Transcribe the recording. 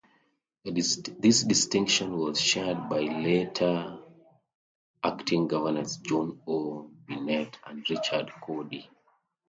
This distinction was shared by later acting governors John O. Bennett and Richard Codey.